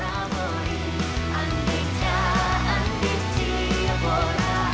jangan lupa like share dan subscribe